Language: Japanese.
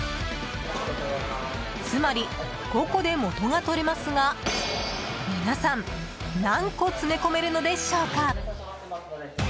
つまり、５個で元が取れますが皆さん、何個詰め込めるのでしょうか？